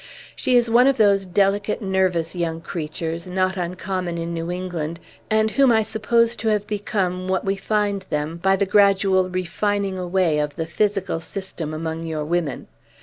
She is one of those delicate, nervous young creatures, not uncommon in New England, and whom I suppose to have become what we find them by the gradual refining away of the physical system among your women.